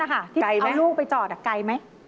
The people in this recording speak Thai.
ไกลไหมไกลไหมที่เอาลูกไปจอดอ่ะไกลไหม